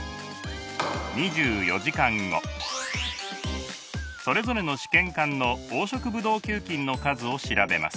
それぞれの試験管の黄色ブドウ球菌の数を調べます。